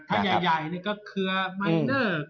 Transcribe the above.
ถ้าใหญ่นี่ก็เครือไมเนอร์